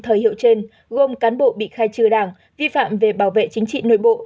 thời hiệu trên gồm cán bộ bị khai trừ đảng vi phạm về bảo vệ chính trị nội bộ